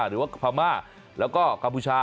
หรือว่าพม่าแล้วก็กัมพูชา